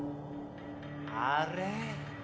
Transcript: あれ？